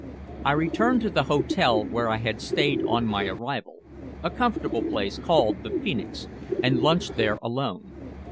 I returned to the hotel where I had stayed on my arrival, a comfortable place called the Phoenix, and lunched there alone.